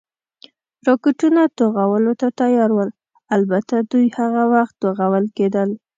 راکټونه، توغولو ته تیار ول، البته دوی هغه وخت توغول کېدل.